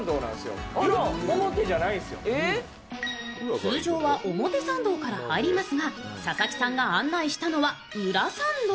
通常は表参道から入りますが佐々木さんが案内したのは裏参道。